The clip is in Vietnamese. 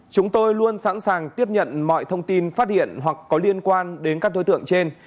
chúng tôi luôn sẵn sàng tiếp nhận mọi thông tin phát hiện hoặc có liên quan đến các đối tượng trên